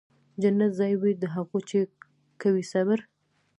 جنت ځای وي د هغو چي کوي صبر